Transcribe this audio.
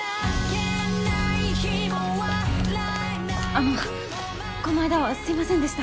あのこの間はすいませんでした。